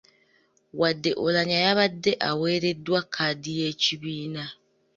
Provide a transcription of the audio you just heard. Wadde Oulanyah yabadde aweereddwa kkaadi y’ekibiina.